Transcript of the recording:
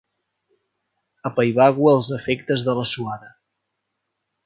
Apaivago els efectes de la suada.